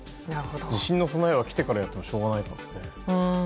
地震の備えはきてからやってもしょうがないですよね。